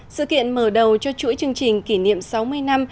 sự kiện mở đầu cho chuỗi chương trình kỷ niệm sáu mươi năm